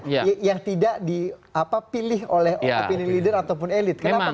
yang tidak dipilih oleh opini leader ataupun elit